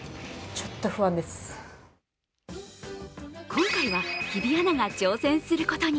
今回は日比アナが挑戦することに。